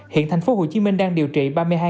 hiện thành phố hồ chí minh đang điều trị